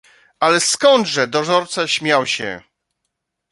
"„Ale skądże!“ Dozorca śmiał się."